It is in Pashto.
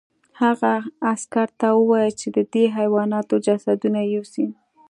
هغه عسکر ته وویل چې د دې حیواناتو جسدونه یوسي